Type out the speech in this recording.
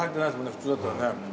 普通だったらね。